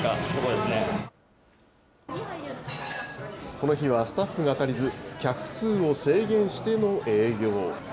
この日はスタッフが足りず、客数を制限しての営業。